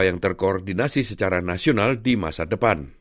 yang terkoordinasi secara nasional di masa depan